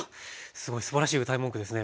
すごいすばらしいうたい文句ですねこれ。